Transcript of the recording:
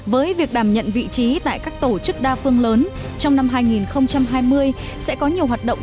với việc đảm nhận vị trí tại các tổ chức đa phương lớn trong năm hai nghìn hai mươi sẽ có nhiều hoạt động